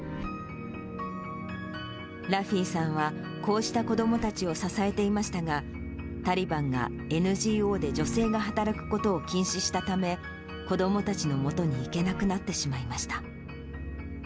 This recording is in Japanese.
ラフィさんは、こうした子どもたちを支えていましたが、タリバンがＮＧＯで女性が働くことを禁止したため、子どもたちのもとに行けなくなってしまいました。